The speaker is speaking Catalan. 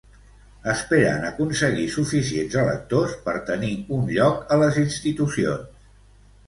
Esperen aconseguir suficients electors per tenir un lloc a les institucions.